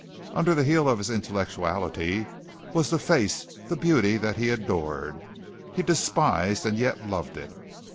Under the heel of his intellectuality was the face, the beauty that he adored. He despised and yet loved it.